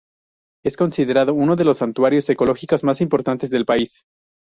Es considerada uno de los santuarios ecológicos más importantes del país.